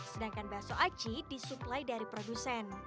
sedangkan bakso aci disuplai dari produsen